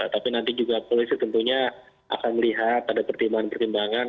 tapi nanti juga polisi tentunya akan melihat ada pertimbangan pertimbangan